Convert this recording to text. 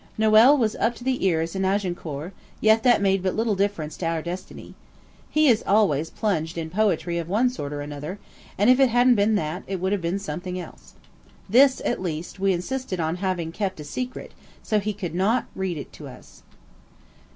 Noël was up to the ears in Agincourt, yet that made but little difference to our destiny. He is always plunged in poetry of one sort or another, and if it hadn't been that, it would have been something else. This, at least, we insisted on having kept a secret, so he could not read it to us.